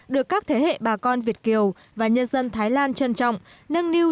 được các thế hệ bà con việt kiều và nhân dân thái lan trân trọng nâng niu